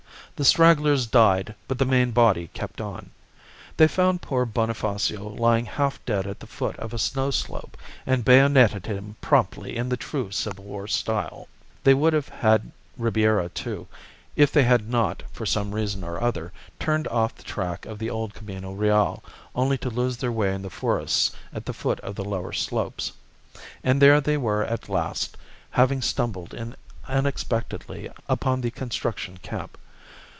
The stragglers died, but the main body kept on. They found poor Bonifacio lying half dead at the foot of a snow slope, and bayoneted him promptly in the true Civil War style. They would have had Ribiera, too, if they had not, for some reason or other, turned off the track of the old Camino Real, only to lose their way in the forests at the foot of the lower slopes. And there they were at last, having stumbled in unexpectedly upon the construction camp.